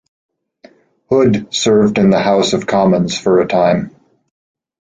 Hood served in the House of Commons for a time.